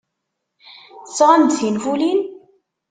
Tesɣam-d tinfulin?